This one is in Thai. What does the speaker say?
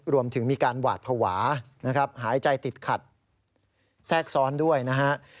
รวมถึงมีการหวาดภาวะนะครับหายใจติดขัดแทรกซ้อนด้วยนะฮะ